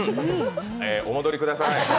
お戻りください。